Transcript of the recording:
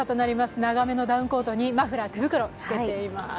長めのダウンコートにマフラー、手袋つけています。